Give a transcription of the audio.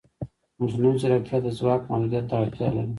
مصنوعي ځیرکتیا د ځواک محدودیت ته اړتیا لري.